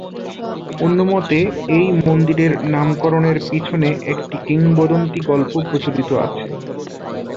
অন্যমতে, এই মন্দিরের নামকরণের পিছনে একটি কিংবদন্তি গল্প প্রচলিত আছে।